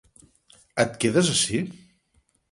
Et quedes ací?